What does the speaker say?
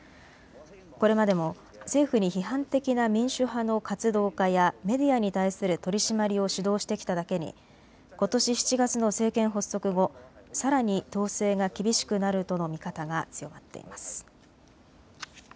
これまでも政府に批判的な民主派の活動家やメディアに対する取締りを主導してきただけにことし７月の政権発足後、さらに統制が厳しくなるとの見方が強まっています。